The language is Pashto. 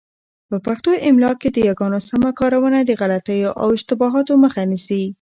په پښتو املاء کي د یاګانو سمه کارونه د غلطیو او اشتباهاتو مخه نیسي.